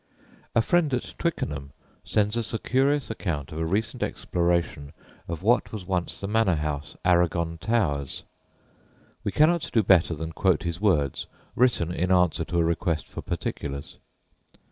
A friend at Twickenham sends us a curious account of a recent exploration of what was once the manor house, "Arragon Towers." We cannot do better than quote his words, written in answer to a request for particulars.